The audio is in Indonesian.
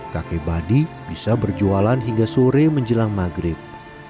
kakek badi bisa berjualan hingga sore menjelang maghrib